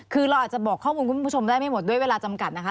คือเราอาจจะบอกข้อมูลคุณผู้ชมได้ไม่หมดด้วยเวลาจำกัดนะคะ